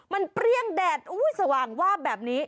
มันเปรี้ยงแดดสว่างว่าแบบนี้